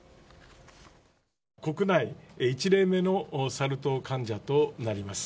国内１例目のサル痘患者となります。